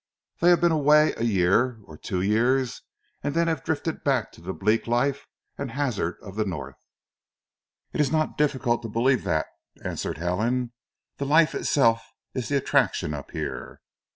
They have been away a year, two years, and then have drifted back to the bleak life and hazard of the North." "It is not difficult to believe that," answered Helen. "The life itself is the attraction up here."